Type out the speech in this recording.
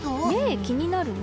気になるね。